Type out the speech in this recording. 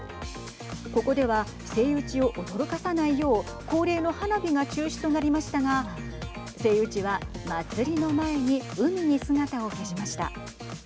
ここではセイウチを驚かさないよう恒例の花火が中止となりましたがセイウチは祭の前に海に姿を消しました。